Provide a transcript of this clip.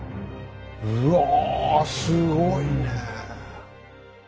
うわあすごいねえ。